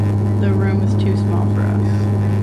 The room is too small for us.